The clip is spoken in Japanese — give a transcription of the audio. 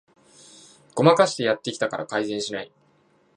ごまかしてやってきたから改善しない